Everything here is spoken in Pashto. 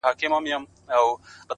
خير دی - دى كه اوسيدونكى ستا د ښار دى-